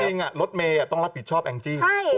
แต่จริงรถเมย์ต้องรับผิดชอบแองจี้